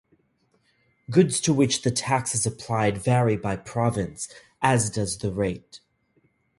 Goods to which the tax is applied vary by province, as does the rate.